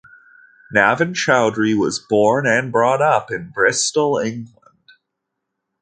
Navin Chowdhry was born and brought up in Bristol, England.